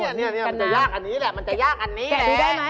นี่มันจะยากอันนี้แหละ